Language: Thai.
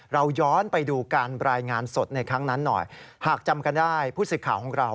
เราย้อนไปดูการรายงานสดในครั้งนั้นหน่อยหากจำกันได้ผู้สื่อข่าวของเรา